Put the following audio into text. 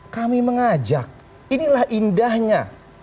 kami mengajak inilah indahnya